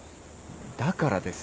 だからですね。